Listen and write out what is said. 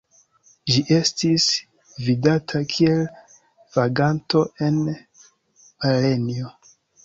Ĝi estis vidata kiel vaganto en Barejno.